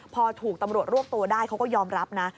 พอถูกตำรวจรวบตัวได้เขาก็ยอมรับนะ